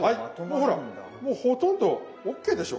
ほらもうほとんどＯＫでしょ